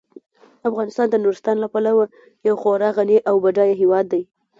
افغانستان د نورستان له پلوه یو خورا غني او بډایه هیواد دی.